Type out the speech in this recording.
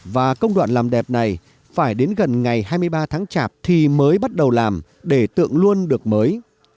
và công đoạn làm đẹp này phải đến gần ngày hai mươi ba tháng chạp thì mới bắt đầu làm để tượng luôn được mới